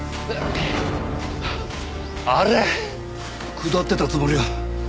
下ってたつもりが。